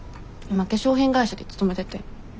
今化粧品会社に勤めてて。